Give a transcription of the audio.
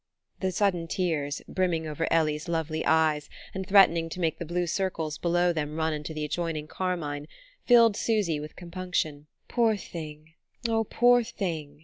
The sudden tears, brimming over Ellie's lovely eyes, and threatening to make the blue circles below them run into the adjoining carmine, filled Susy with compunction. "Poor thing oh, poor thing!"